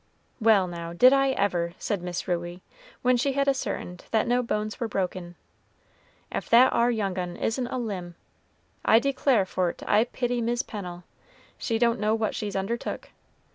"Well, now, did I ever!" said Miss Ruey, when she had ascertained that no bones were broken; "if that ar young un isn't a limb! I declare for't I pity Mis' Pennel, she don't know what she's undertook.